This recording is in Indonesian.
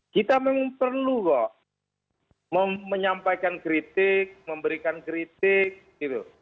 kita memang perlu kok menyampaikan kritik memberikan kritik gitu